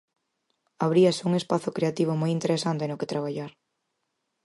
Abríase un espazo creativo moi interesante no que traballar.